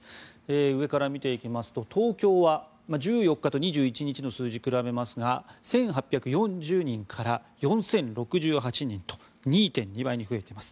上から見ていきますと東京は１４日と２１日の数字を比べますが、１８４０人から４０６８人と２．２倍に増えています。